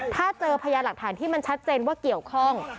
ถ้าเจอพยาหลักฐานที่มันชัดเจนว่าเกี่ยวข้อง